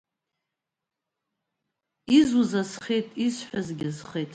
Изуз азхеит, исҳәазгь азхеит.